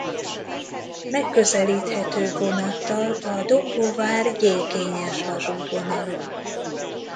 Megközelíthető vonattal a Dombóvár–Gyékényes-vasútvonalon.